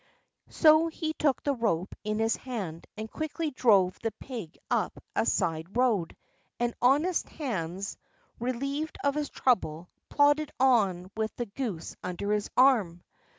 So he took the rope in his hand, and quickly drove the pig up a side road; and honest Hans, relieved of his trouble, plodded on with the goose under his arm.